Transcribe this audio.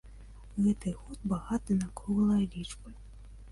Гэты год багаты на круглыя лічбы.